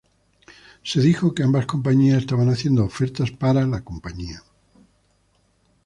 Se dijo que ambas compañías estaban haciendo ofertas para la compañía.